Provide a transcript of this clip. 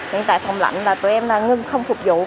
hiện tại phòng lạnh là tụi em ngưng không phục vụ